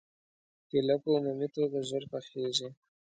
کېله په عمومي توګه ژر پخېږي.